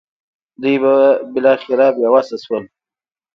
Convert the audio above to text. دوی به بالاخره بې وسه شول.